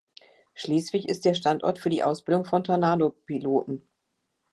Schleswig ist Standort für die Ausbildung von Tornado-Piloten.